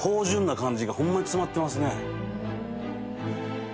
芳醇な感じがホンマに詰まってますね。